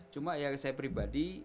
cuma yang saya pribadi